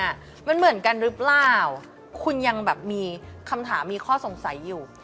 มันเหมือนกันหรือเปล่าคุณยังแบบมีคำถามมีข้อสงสัยอยู่